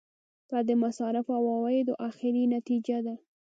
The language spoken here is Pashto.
دا د مصارفو او عوایدو اخري نتیجه ده.